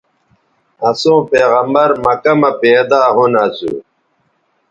اَسوں پیغمبرؐ مکہ مہ پیدا ھُون اَسو